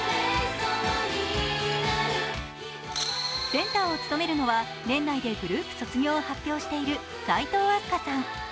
センターを務めるのは、年内でグループ卒業を発表している齋藤飛鳥さん。